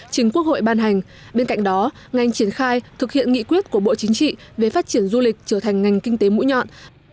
chính quốc hội ban hành bên cạnh đó ngành triển khai thực hiện nghị quyết của bộ chính trị về phát triển du lịch trở thành ngành kinh tế mũi nhọn